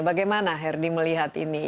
bagaimana herdy melihat ini